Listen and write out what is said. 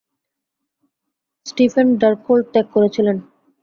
Stephen Darkhold ত্যাগ করেছিল।